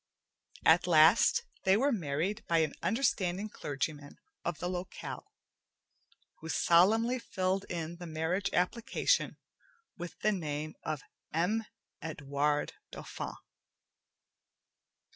At last, they were married by an understanding clergyman of the locale, who solemnly filled in the marriage application with the name of M. Edwarde Dauphin.